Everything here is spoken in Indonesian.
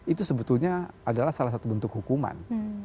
itu sebetulnya adalah salah satu bentuk hukuman